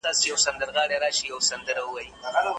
تخار د اوبو او برښنا ځای دی.